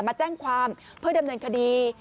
มาแจ้งความเพื่อดำเนินคดี